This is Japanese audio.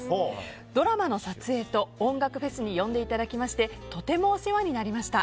ドラマの撮影と音楽フェスに呼んでいただきましてとてもお世話になりました。